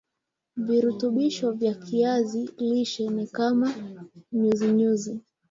virutubisho vya kiazi lishe ni kama nyuzinyuzi